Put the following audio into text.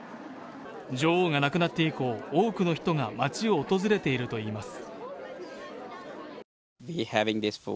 女王が亡くなって以降、多くの人が街を訪れているといいます。